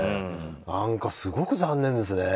何か、すごく残念ですね。